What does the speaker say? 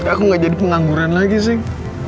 aku nggak jadi pengangguran lagi sayang